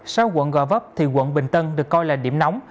sau quận gò vấp thì quận bình tân được coi là điểm nóng